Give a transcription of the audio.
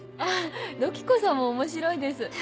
土器子さんも面白いです。